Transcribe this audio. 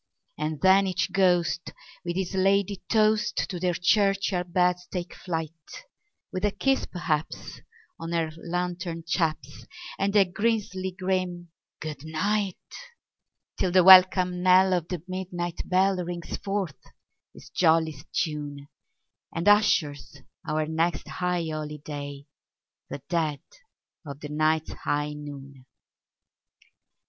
And then each ghost with his ladye toast to their churchyard beds take flight, With a kiss, perhaps, on her lantern chaps, and a grisly grim "good night"; Till the welcome knell of the midnight bell rings forth its jolliest tune, And ushers our next high holiday—the dead of the night's high noon!